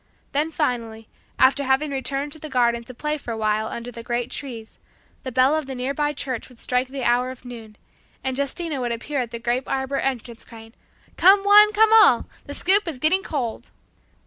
Then finally, after having returned to the garden to play for a while under the great trees, the bell of the nearby church would strike the hour of noon, and Justina would appear at the grape arbor entrance crying, "Come one, come all! The soup is getting cold!"